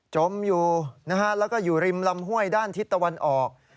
จมอยู่นะฮะแล้วก็อยู่ริมลำห้วยด้านทิศตะวันออก